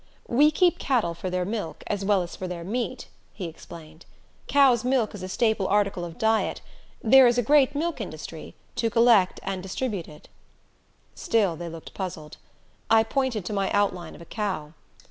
"We keep cattle for their milk, as well as for their meat," he explained. "Cow's milk is a staple article of diet. There is a great milk industry to collect and distribute it." Still they looked puzzled. I pointed to my outline of a cow.